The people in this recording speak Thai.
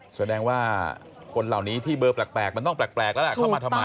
แสดงว่าคนเหล่านี้ที่เบอร์แปลกมันต้องแปลกแล้วล่ะเข้ามาทำไม